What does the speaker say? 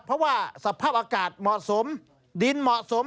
เพราะว่าสภาพอากาศเหมาะสมดินเหมาะสม